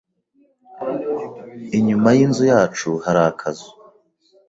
Inyuma yinzu yacu hari akazu.